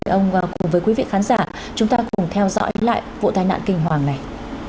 ông cùng với quý vị khán giả chúng ta cùng theo dõi lại vụ tai nạn kinh hoàng này